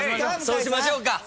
そうしましょう。